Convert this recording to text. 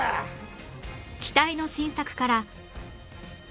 期待の新作から